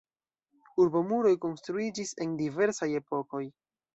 Urbomuroj konstruiĝis en diversaj epokoj.